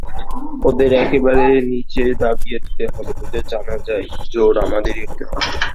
ওদের একেবারে নীচে দাবিয়ে দিতে হবে, ওদের জানা চাই জোর আমাদেরই হাতে।